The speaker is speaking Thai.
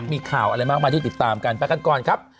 มีข่าวอะไรมากมายที่ติดตามกันไปกันก่อนครับ